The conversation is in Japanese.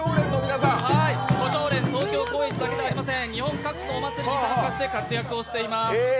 胡蝶蓮東京高円寺の皆さんだけではありません、日本各地のお祭りに参加して活躍をしています。